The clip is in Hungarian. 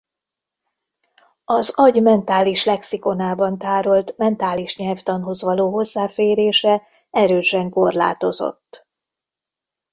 Az agy mentális lexikonában tárolt mentális nyelvtanhoz való hozzáférése erősen korlátozott.